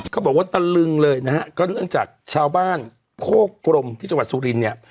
เขาบอกว่าตะลึงเลยนะฮะก็เนื่องจากชาวบ้านโคกรมที่จังหวัดสุรินเนี่ย